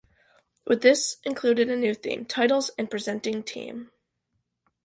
With this included a new theme, titles and presenting team.